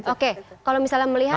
oke kalau misalnya melihat